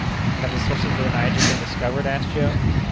"Have the sources of the Niger been discovered?" asked Joe.